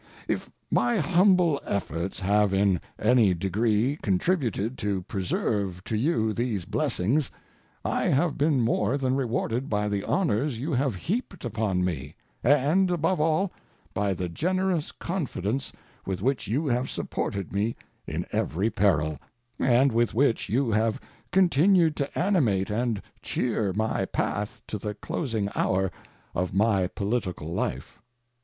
If my humble efforts have in any degree contributed to preserve to you these blessings, I have been more than rewarded by the honors you have heaped upon me, and, above all, by the generous confidence with which you have supported me in every peril, and with which you have continued to animate and cheer my path to the closing hour of my political life.